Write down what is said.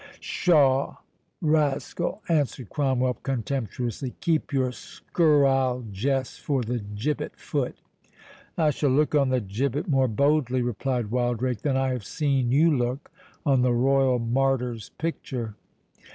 "Pshaw, rascal," answered Cromwell, contemptuously, "keep your scurrile jests for the gibbet foot." "I shall look on the gibbet more boldly," replied Wildrake, "than I have seen you look on the Royal Martyr's picture."